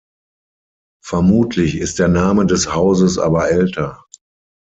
Vermutlich ist der Name des Hauses aber älter.